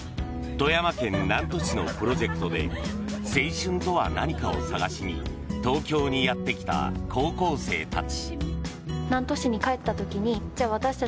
富山県南砺市のプロジェクトで青春とは何かを探しに東京にやってきた高校生たち。